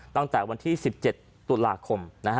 ตั้งแต่วันที่๑๗ตุลาคม